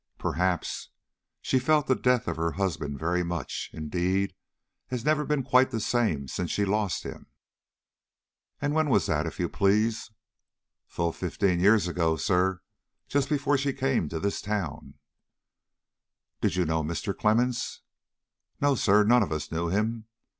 "Perhaps; she felt the death of her husband very much indeed, has never been quite the same since she lost him." "And when was that, if you please?" "Full fifteen years ago, sir; just before she came to this town." "Did you know Mr. Clemmens?" "No, sir; none of us knew him.